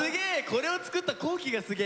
これを作った皇輝がすげえ！